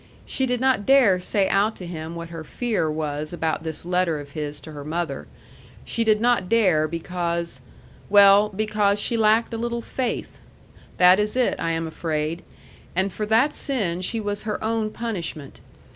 She did not dare say out to him what her fear was about this letter of his to her mother. She did not dare because well, because she lacked a little faith. That is it, I am afraid. And for that sin she was her own punishment.